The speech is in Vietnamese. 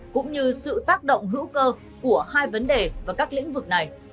cũng như sự tác động hữu cơ của hai vấn đề và các lĩnh vực này